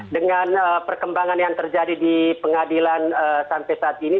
dengan perkembangan yang terjadi di pengadilan sampai saat ini